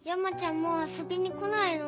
もう遊びに来ないの？